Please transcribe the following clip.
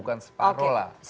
bukan separoh lah